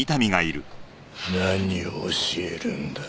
何を教えるんだ？